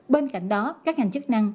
bên cạnh đó các hành chức năng